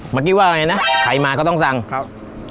เมื่อกี้ว่าไงนะใครมาก็ต้องสั่งครับ